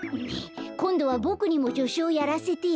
こんどはボクにもじょしゅをやらせてよ。